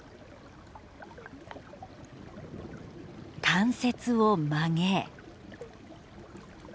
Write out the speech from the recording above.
関節を曲げ。